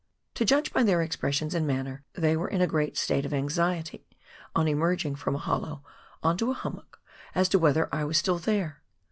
To judge by their expressions and manner, they were in a great state of anxiety on emerging from a hollow on to a hummock, as to whether I was still there.